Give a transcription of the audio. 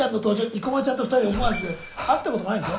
生駒ちゃんと２人で思わず会ったこともないんですよ？